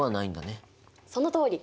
そのとおり。